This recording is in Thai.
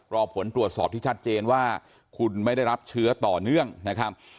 รอผลตรวจสอบที่ชัดเจนว่าคุณไม่ได้รับเชื้อต่อเนื่องนะครับ